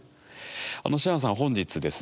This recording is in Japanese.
シアンさんは本日ですね